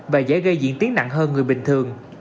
và dễ gây diễn tiến nặng hơn người bình thường